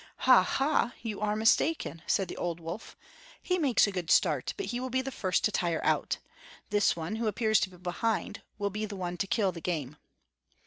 "Ha! ha! you are mistaken," said the old wolf. "He makes a good start, but he will be the first to tire out; this one, who appears to be behind, will be the one to kill the game."